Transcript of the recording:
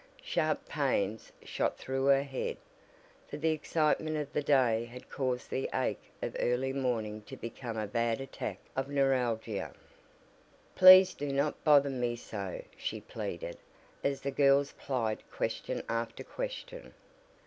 Sharp pains shot through her head, for the excitement of the day had caused the ache of early morning to become a bad attack of neuralgia. "Please do not bother me so," she pleaded, as the girls plied question after question.